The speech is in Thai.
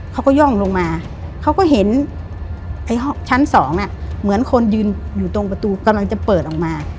เขาก็ย่องลงมาเขาก็เห็นไอ้ห้องชั้นสองน่ะเหมือนคนยืนอยู่ตรงประตูกำลังจะเปิดออกมา